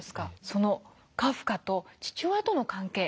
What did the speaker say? そのカフカと父親との関係